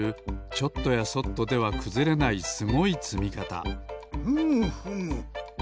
ちょっとやそっとではくずれないすごいつみかたふむふむ。